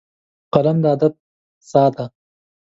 قلم د ادب ساه ده